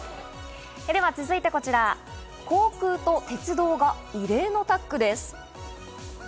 続いてこちら、航空と鉄道が異例のタッグです。